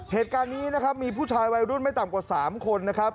เหตุการณ์นี้นะครับมีผู้ชายวัยรุ่นไม่ต่ำกว่า๓คนนะครับ